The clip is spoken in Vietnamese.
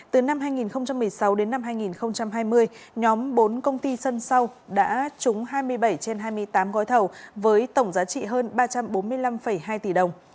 từ năm hai nghìn một mươi sáu đến năm hai nghìn hai mươi nhóm bốn công ty sân sau đã trúng hai mươi bảy trên hai mươi tám gói thầu với tổng giá trị hơn ba trăm bốn mươi năm hai tỷ đồng